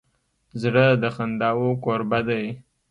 زړه د خنداوو کوربه دی.